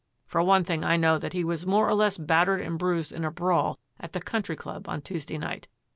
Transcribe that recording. For one thing I know that he was more or less battered and bruised in a brawl at the Country Club on Tuesday night.